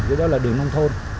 cái đó là đường nông thôn